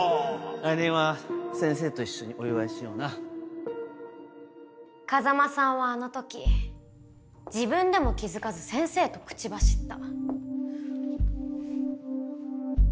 来年は先生と一緒にお祝いしような風真さんはあの時自分でも気付かず「先生」と口走った。